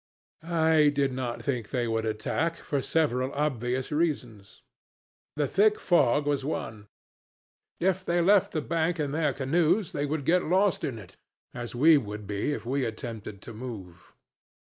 "I did not think they would attack, for several obvious reasons. The thick fog was one. If they left the bank in their canoes they would get lost in it, as we would be if we attempted to move.